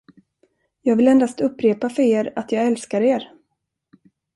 Jag vill endast upprepa för er, att jag älskar er.